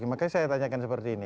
makanya saya tanyakan seperti ini